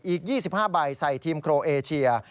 อีก๒๕ใบใส่ทีมโครเอเชีย